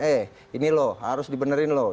eh ini loh harus dibenerin loh